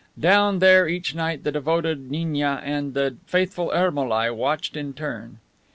Down there each night the devoted gniagnia and the faithful Ermolai watched in turn.